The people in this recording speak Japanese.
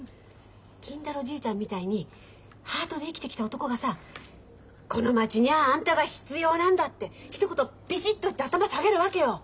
金太郎じいちゃんみたいにハートで生きてきた男がさ「この町にゃあんたが必要なんだ」ってひと言ビシッと言って頭下げるわけよ。